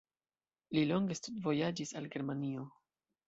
Li longe studvojaĝis al Germanio.